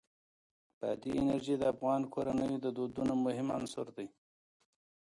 بادي انرژي د افغان کورنیو د دودونو مهم عنصر دی.